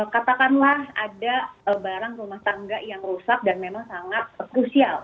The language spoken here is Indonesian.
katakanlah ada barang rumah tangga yang rusak dan memang sangat krusial